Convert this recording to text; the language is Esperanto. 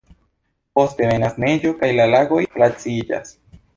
Poste venas neĝo kaj la lagoj glaciiĝas.